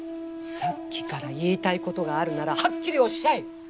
さっきから言いたいことがあるならはっきりおっしゃい！